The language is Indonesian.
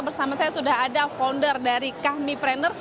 bersama saya sudah ada founder dari kami prener